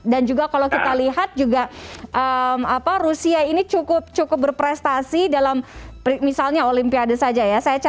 dan juga kalau kita lihat juga rusia ini cukup berprestasi dalam misalnya olimpiade saja ya